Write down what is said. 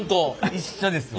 一緒ですわ。